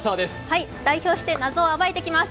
はい、代表して謎を暴いてきます。